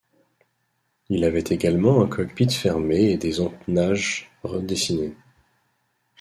Il avait également un cockpit fermé et des empennages redessinés.